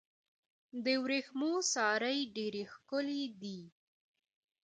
د ورېښمو سارۍ ډیرې ښکلې دي.